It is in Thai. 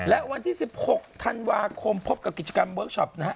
และวันที่๑๖ธันวาคมพบกับกิจกรรมเวิร์คชอปนะฮะ